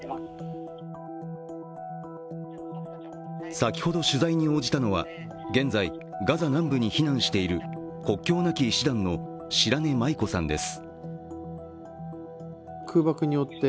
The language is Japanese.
先ほど取材に応じたのは、現在、ガザ南部に避難している国境なき医師団の白根麻衣子さんです。